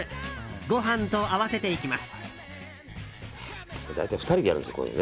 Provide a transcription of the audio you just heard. ご飯と合わせていきます。